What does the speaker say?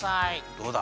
どうだ？